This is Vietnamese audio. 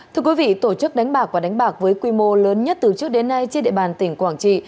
thưa quý vị tổ chức đánh bạc và đánh bạc với quy mô lớn nhất từ trước đến nay trên địa bàn tỉnh quảng trị